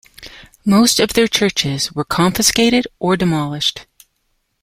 Most of their churches were confiscated or demolished.